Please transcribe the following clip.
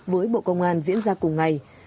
với bộ công an diễn ra cùng ngày